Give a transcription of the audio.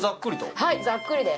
はいざっくりです。